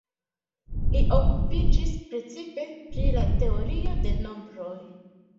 Li okupiĝis precipe pri la teorio de nombroj.